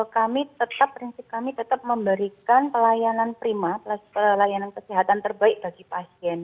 kami tetap prinsip kami tetap memberikan pelayanan prima pelayanan kesehatan terbaik bagi pasien